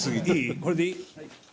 これでいい？